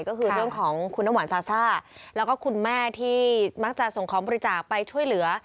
ก็คือเรื่องของคุณน้ำหวานซาซ่าแล้วก็คุณแม่ที่มักจะส่งของบริจาคไปช่วยเหลือ